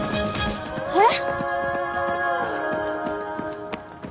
えっ？